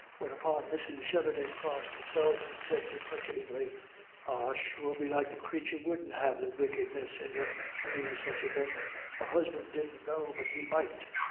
Whereupon Mrs. Sheridan crossed herself and said deprecatingly: "Ah, sure, belike the crathur wouldn't have the wickedness in him to go do such a thing." Her husband didn't know but he might.